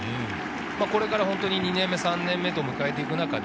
これから２年目３年目と迎えていく中で、